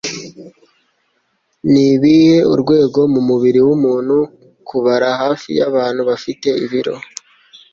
Nibihe Urwego Mumubiri Wumuntu Kubara Hafi Yabantu Bafite Ibiro